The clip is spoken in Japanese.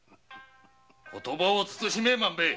言葉を慎め万兵衛！